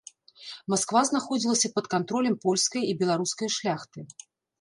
Масква знаходзілася пад кантролем польскае і беларускае шляхты.